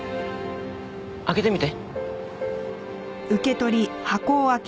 開けてみて。